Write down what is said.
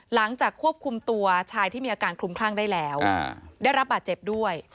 หลังจากควบคุมตัวชายที่มีอาการคลุมคลั่งได้แล้วได้รับบาดเจ็บด้วย